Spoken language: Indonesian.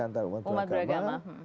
antara umat beragama